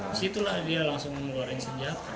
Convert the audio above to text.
disitulah dia langsung mengeluarkan senjata